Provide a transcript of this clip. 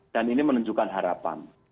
dan ini menunjukkan harapan